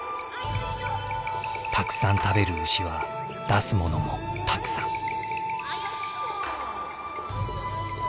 たくさん食べる牛は出すものもたくさん。